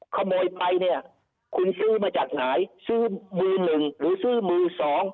ขโมยไปเนี่ยคุณซื้อมาจากไหนซื้อมือหนึ่งหรือซื้อมือสอง